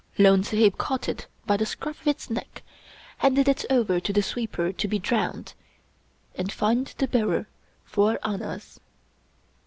Lone Sahib caught it by the scruff of its neck, handed it over to the sweeper to be drowned, and fined the bearer four annas.